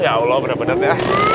ya allah bener bener ya